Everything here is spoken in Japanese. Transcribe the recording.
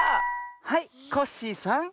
はいコッシーさん。